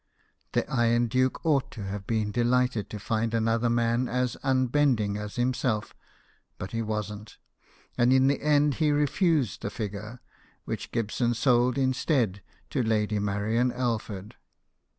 The Iron Duke ought to have been delighted to find another man as unbending as himself, but he wasn't ; and in the end he refused the figure, which Gibson sold instead to Lady Marian Alford.